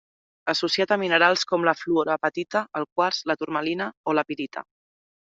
Associat a minerals com la fluorapatita, el quars, la turmalina o la pirita.